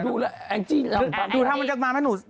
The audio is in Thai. ดูทำมันจะมามาหนู